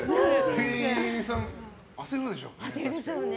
店員さん、焦るでしょうね。